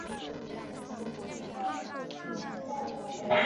这样可以减少甚至消除文件碎片。